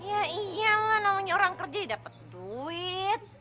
iya iyalah namanya orang kerja ya dapet duit